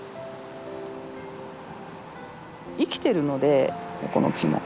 生きてるのでこの木も。